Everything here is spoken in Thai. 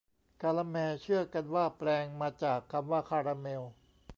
กาละแม เชื่อกันว่าแปลงมาจากคำว่าคาราเมล